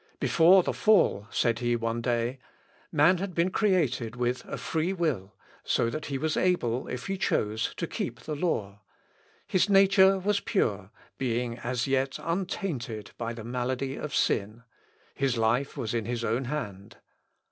"Before the fall," said he one day, "man had been created with a free will, so that he was able, if he chose, to keep the law, his nature was pure, being as yet untainted by the malady of sin; his life was in his own hand.